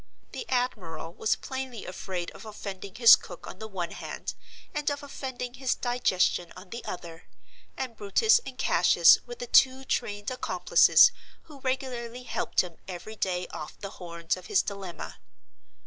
The admiral was plainly afraid of offending his cook on the one hand, and of offending his digestion on the other—and Brutus and Cassius were the two trained accomplices who regularly helped him every day off the horns of his dilemma.